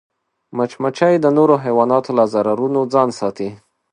مچمچۍ د نورو حیواناتو له ضررونو ځان ساتي